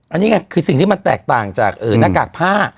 อันนี้ไงคือสิ่งที่มันแตกต่างจากหน้ากากผ้า